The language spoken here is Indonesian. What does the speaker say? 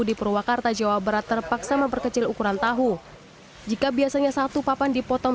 di purwakarta jawa barat terpaksa memperkecil ukuran tahu jika biasanya satu papan dipotong